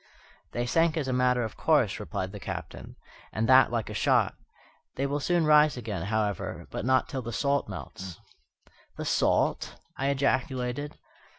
"They sank as a matter of course," replied the Captain, "and that like a shot. They will soon rise again, however, but not till the salt melts." "The salt!" I ejaculated.